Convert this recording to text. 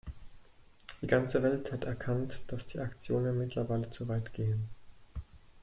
Die ganze Welt hat erkannt, dass die Aktionen mittlerweile zu weit gehen.